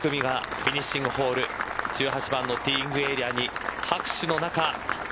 フィニッシングボール１８番のティーイングエリアに拍手の中